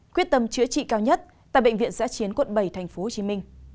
quyết tâm chữa trị cao nhất tại bệnh viện giã chiến quận bảy tp hcm